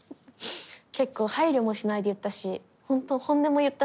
結構配慮もしないで言ったしほんと本音も言ったし。